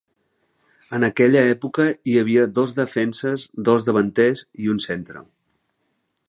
En aquella època hi havia dos defenses, dos davanters i un centre.